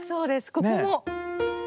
ここも。